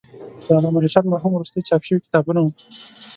د علامه رشاد مرحوم وروستي چاپ شوي کتابونه و.